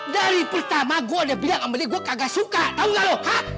dari pertama gue udah bilang sama jadi gue kagak suka tau gak lo kak